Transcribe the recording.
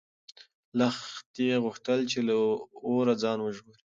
لښتې غوښتل چې له اوره ځان وژغوري.